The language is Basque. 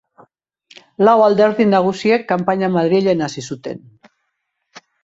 Lau alderdi nagusiek kanpaina Madrilen hasi zuten.